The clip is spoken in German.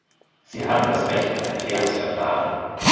Sie haben das Recht auf ein faires Verfahren.